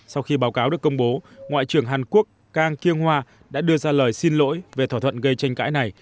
sau khi báo cáo được công bố ngoại trưởng hàn quốc kang kyung ho đã đưa ra lời xin lỗi về thỏa thuận gây tranh cãi này